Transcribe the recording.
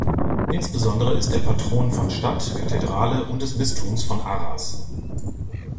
Insbesondere ist er Patron von Stadt, Kathedrale und des Bistums von Arras.